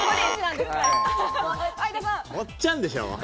もっちゃんでしょ？